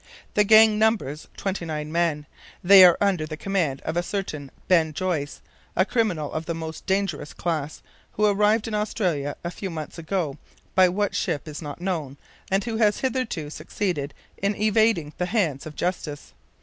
The gang numbers twenty nine men; they are under the command of a certain Ben Joyce, a criminal of the most dangerous class, who arrived in Australia a few months ago, by what ship is not known, and who has hitherto succeeded in evading the hands of justice.